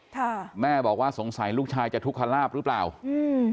ค่ะแม่บอกว่าสงสัยลูกชายจะทุกขลาบหรือเปล่าอืม